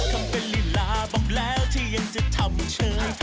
คำเป็นฬิลาบอกแล้วที่ยังจะทำเชิง